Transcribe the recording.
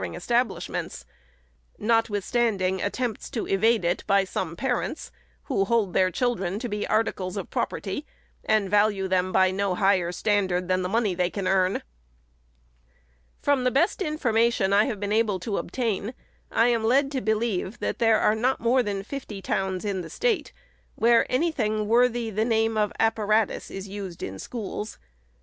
429 ing establishments, notwithstanding attempts to evade it by some parents, who hold their children to be articles of property, and value them by no higher standard than the money they can earn. From the best information I have been able to obtain. I am led to believe that there are not more than fifty towns in the State, where any thing worthy the name of apparatus is used in schools.